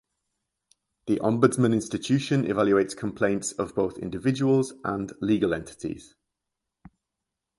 The Ombudsman Institution evaluates complaints of both individuals and legal entities.